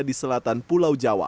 di selatan pulau jawa